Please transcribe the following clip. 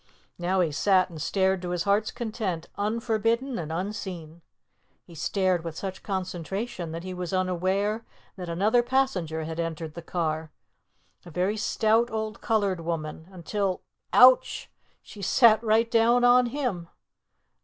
Now he sat and stared to his heart's content, unforbidden and unseen. He stared with such concentration that he was unaware that another passenger had entered the car, a very stout old colored woman, until, ouch! she sat right down on him!